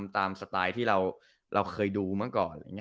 ตามสไตล์ที่เราเคยดูเมื่อก่อน